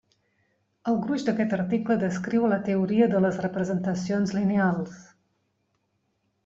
El gruix d'aquest article descriu la teoria de les representacions lineals.